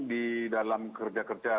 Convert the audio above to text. di dalam kerja kerja